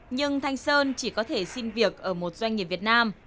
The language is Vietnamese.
nhưng thanh sơn chỉ có thể xin việc ở một doanh nghiệp việt nam